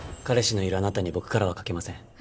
彼氏のいるあなたに僕からはかけません